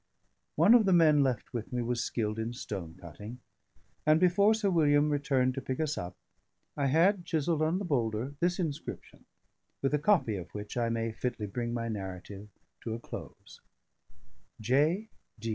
One of the men left with me was skilled in stone cutting; and before Sir William returned to pick us up, I had chiselled on a boulder this inscription, with a copy of which I may fitly bring my narrative to a close: J.